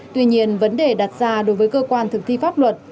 tuy nhiên vấn đề đặt ra đối với cơ quan thực thi pháp luật